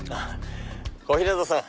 小日向さん。